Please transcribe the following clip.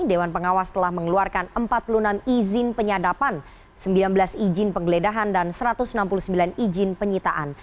dewan pengawas telah mengeluarkan empat puluh enam izin penyadapan sembilan belas izin penggeledahan dan satu ratus enam puluh sembilan izin penyitaan